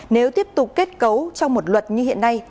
nếu tiếp tục kết cấu trong một luật như hiện nay